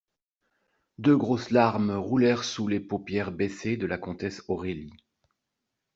Deux grosses larmes roulèrent sous les paupières baissées de la comtesse Aurélie.